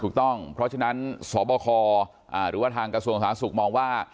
ถูกต้องเพราะฉะนั้นสบคหรือว่าทางกระทรวงสาธารณสุขมองว่า